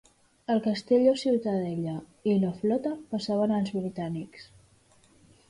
El castell o ciutadella i la flota passaven als britànics.